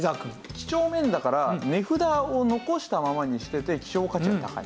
きちょうめんだから値札を残したままにしてて希少価値が高い。